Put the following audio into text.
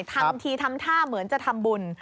ทำทีทำท่าเหมือนจะทำบุญ